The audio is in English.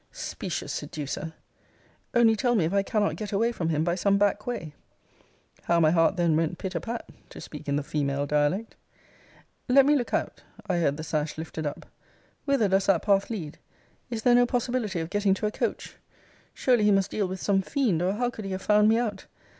Cl. Specious seducer! Only tell me if I cannot get away from him by some back way? How my heart then went pit a pat, to speak in the female dialect. Cl. Let me look out [I heard the sash lifted up.] Whither does that path lead? Is there no possibility of getting to a coach? Surely he must deal with some fiend, or how could he have found me out?